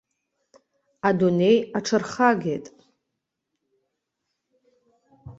Адунеи аҽархагеит.